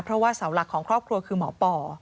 เพราะว่าเสาหลักของครอบครัวคือหมอปอ